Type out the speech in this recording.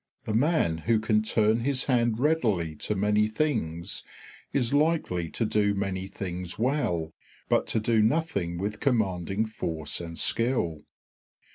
The man who can turn his hand readily to many things is likely to do many things well, but to do nothing with commanding force and skill.